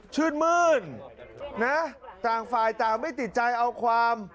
ชื่นมื้นนะต่างฝ่ายต่างไม่ติดใจเอาความ